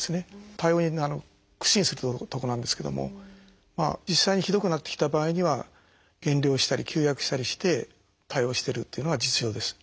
対応に苦心するとこなんですけども実際にひどくなってきた場合には減量したり休薬したりして対応してるっていうのが実情です。